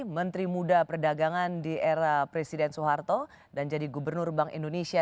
menteri muda perdagangan di era presiden soeharto dan jadi gubernur bank indonesia